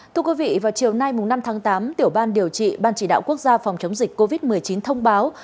thưa quý vị vào chiều nay năm tháng tám tiểu ban điều trị ban chỉ đạo quốc gia phòng chống dịch covid một mươi chín thông báo